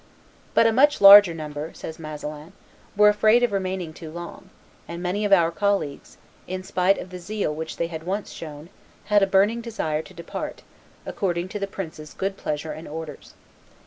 "But a much larger number," says Masselin, "were afraid of remaining too long, and many of our colleagues, in spite of the zeal which they had once shown, had a burning desire to depart, according to the princes' good pleasure and orders.